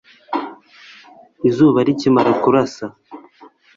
izuba rikimara kurasa